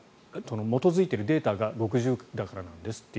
基づいているデータが６０だからなんですと。